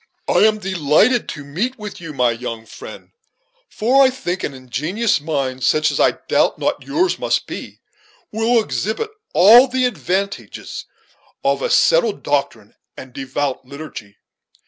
"I am delighted to meet with you, my young friend, for I think an ingenuous mind, such as I doubt not yours must be, will exhibit all the advantages of a settled doctrine and devout liturgy.